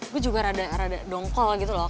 gue juga rada rada dongkol gitu loh